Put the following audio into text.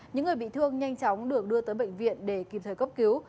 những người bị thương nhanh chóng được đưa tới bệnh viện để kịp thời cấp cứu